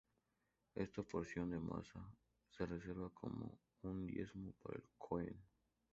Esta porción de masa se reserva como un diezmo para el Kohen.